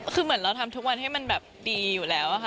คือเหมือนเราทำทุกวันให้มันแบบดีอยู่แล้วค่ะ